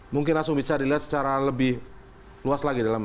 mungkin langsung bisa dilihat secara lebih luas lagi